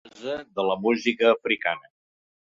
Base de la música africana.